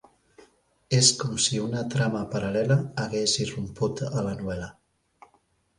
És com si una trama paral·lela hagués irromput a la novel·la.